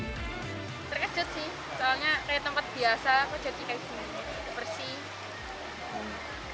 terkejut sih soalnya kayak tempat biasa kok jadi kayak bersih